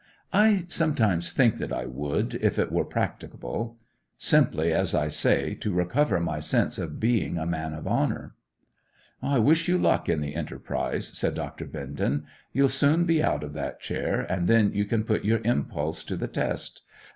'I sometimes think that I would, if it were practicable; simply, as I say, to recover my sense of being a man of honour.' 'I wish you luck in the enterprise,' said Doctor Bindon. 'You'll soon be out of that chair, and then you can put your impulse to the test.